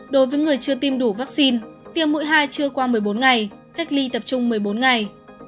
đối với người chưa tiêm đủ vaccine tiêm mũi hai chưa qua một mươi bốn ngày cách ly tập trung một mươi bốn ngày